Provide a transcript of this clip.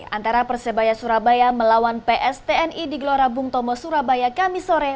antara persebaya surabaya melawan pstni di glorabung tomo surabaya kamisore